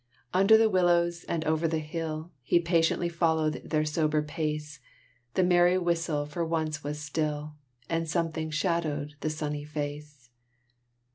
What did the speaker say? Under the willows, and over the hill, He patiently followed their sober pace; The merry whistle for once was still, And something shadowed the sunny face.